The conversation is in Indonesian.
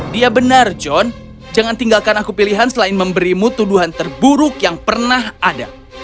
dia benar john jangan tinggalkan aku pilihan selain memberimu tuduhan terburuk yang pernah ada